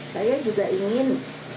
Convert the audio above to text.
saya juga ingin